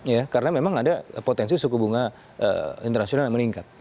ya karena memang ada potensi suku bunga internasional yang meningkat